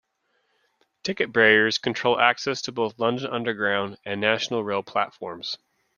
Ticket barriers control access to both London Underground and National Rail platforms.